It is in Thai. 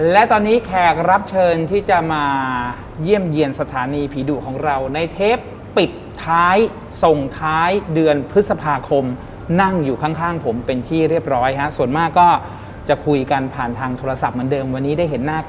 และตอนนี้แขกรับเชิญที่จะมาเยี่ยมเยี่ยนสถานีผีดุของเราในค่ำคืนวันนี้เขาพร้อมแล้วที่จะมาปิดท้ายกันในเดือนพฤษภาคม